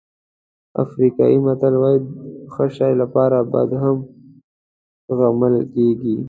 افریقایي متل وایي د ښه شی لپاره بد هم زغمل کېږي.